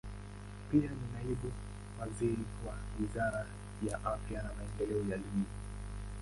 Pia ni naibu waziri wa Wizara ya Afya na Maendeleo ya Jamii.